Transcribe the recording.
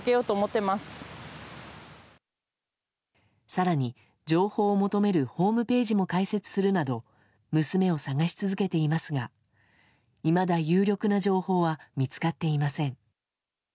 更に、情報を求めるホームページも開設するなど娘を捜し続けていますがいまだ有力な情報は見つかっていません。